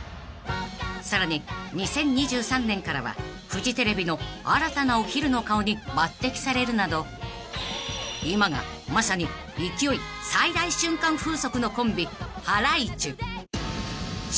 ［さらに２０２３年からはフジテレビの新たなお昼の顔に抜てきされるなど今がまさに勢い最大瞬間風速のコンビハライチ］